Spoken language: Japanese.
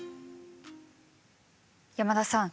山田さん